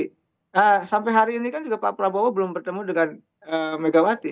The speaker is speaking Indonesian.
nah sampai hari ini kan juga pak prabowo belum bertemu dengan megawati